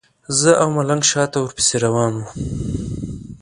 زه او ملنګ شاته ورپسې روان وو.